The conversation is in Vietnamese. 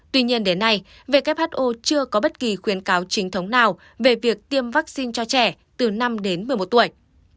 tuy nhiên đến nay who chưa có bất kỳ khuyến cáo chính thống nào về việc tiêm vaccine cho trẻ từ năm đến một mươi một tuổi